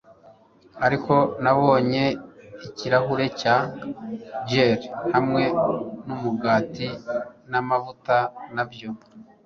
ariko nabonye ikirahuri cya jelly hamwe numugati n'amavuta, nabyo